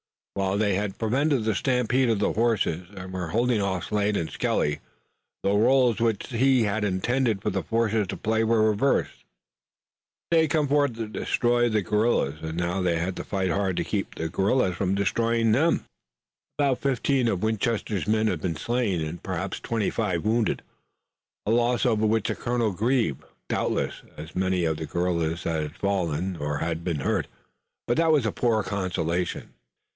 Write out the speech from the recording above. While they had prevented the stampede of the horses, and were holding off Slade and Skelly, the roles which he had intended for the forces to play were reversed. They had come forth to destroy the guerrillas, and now they had to fight hard to keep the guerrillas from destroying them. Despite their shelter, about fifteen of the Winchester men had been slain, and perhaps twenty five wounded, a loss over which the colonel grieved. Doubtless as many of the guerrillas had fallen or had been hurt, but that was a poor consolation.